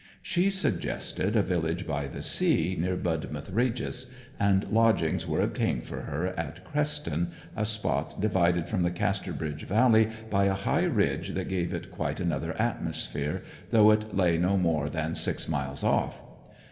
She suggested a village by the sea, near Budmouth Regis, and lodgings were obtained for her at Creston, a spot divided from the Casterbridge valley by a high ridge that gave it quite another atmosphere, though it lay no more than six miles off.